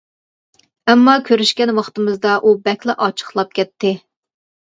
ئەمما كۆرۈشكەن ۋاقتىمىزدا ئۇ بەكلا ئاچچىقلاپ كەتتى.